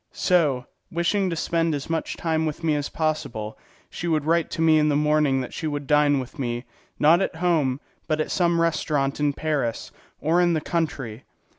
So, wishing to spend as much time with me as possible, she would write to me in the morning that she would dine with me, not at home, but at some restaurant in Paris or in the country.